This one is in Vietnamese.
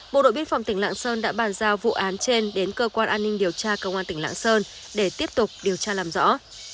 bộ đội biên phòng tỉnh lạng sơn đã bàn giao vụ án trên đến cơ quan an ninh điều tra công an tỉnh lạng sơn để tiếp tục điều tra làm rõ